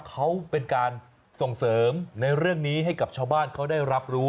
เขาเป็นการส่งเสริมในเรื่องนี้ให้กับชาวบ้านเขาได้รับรู้